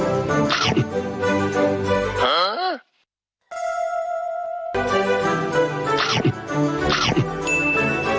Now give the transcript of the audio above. จบที่ถังขยะเลยดีที่เขาน่าจะยังไง